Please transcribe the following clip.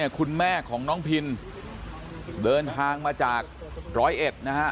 คุณแม่ของน้องพินเดินทางมาจากร้อยเอ็ดนะฮะ